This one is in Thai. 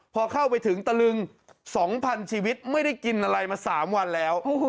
พอเข้าไปถึงตะลึง๒๐๐๐ชีวิตไม่ได้กินอะไรมา๓วันแล้ว